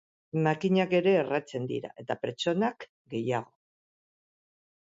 Makinak ere erratzen dira, eta pertsonak gehiago.